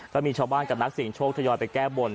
ก็มีชาวบ้านกับนักเสียงโชคทยอยไปแก้บน